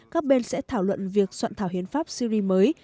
các bên sẽ thảo luận việc soạn thảo hiến pháp syri mới